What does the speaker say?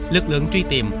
lực lượng truy tìm